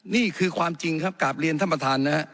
นี่คือความจริงครับกราบเรียนสรรพทานนะครับ